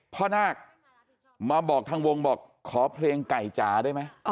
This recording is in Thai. นาคมาบอกทางวงบอกขอเพลงไก่จ๋าได้ไหม